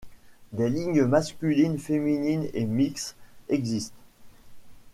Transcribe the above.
Des ligues masculines, féminines et mixte existent.